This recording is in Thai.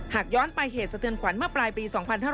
หากย้อนไปเหตุสะเทือนขวัญเมื่อปลายปี๒๕๕๙